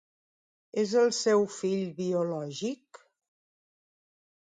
És el seu fill biològic?